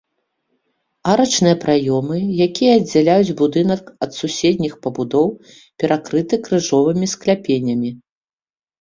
Арачныя праёмы, якія аддзяляюць будынак ад суседніх пабудоў, перакрыты крыжовымі скляпеннямі.